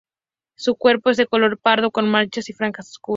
Su cuerpo es de color pardo con manchas y franjas oscuras.